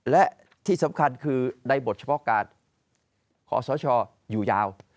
และที่สำคัญคือในบทเฉพาะการขอสชอยู่ยาว